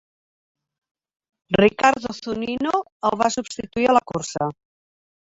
Ricardo Zunino el va substituir a la cursa.